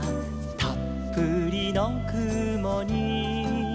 「たっぷりのくもに」